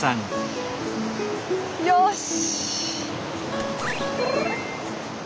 よし！